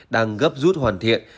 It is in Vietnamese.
đang gấp rút hoàn thiện